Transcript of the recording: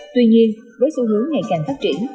tuy nhiên với xu hướng ngày càng phát triển